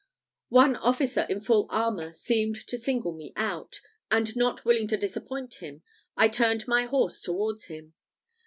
One officer in full armour seemed to single me out; and, not willing to disappoint him, I turned my horse towards him.